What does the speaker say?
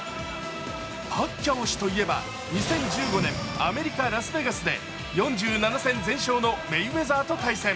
パッキャオ氏といえば２０１５年、アメリカ・ラスベガスで４７戦全勝のメイウェザーと対戦。